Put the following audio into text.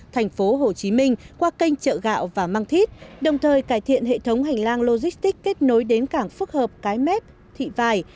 thành phố hồ chí minh qua kênh chợ gạo và mang thít đồng thời cải thiện hệ thống hành lang logistic kết nối đến cảng phức hợp cái mép thị vải